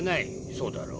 そうだろう？